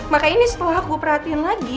maka ini setelah aku perhatiin lagi